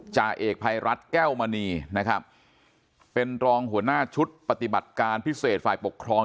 จ่าเอกภัยรัฐแก้วมณีนะครับเป็นรองหัวหน้าชุดปฏิบัติการพิเศษฝ่ายปกครอง